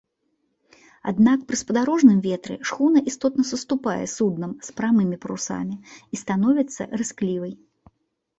Аднак пры спадарожным ветры шхуна істотна саступае суднам з прамымі парусамі і становіцца рысклівай.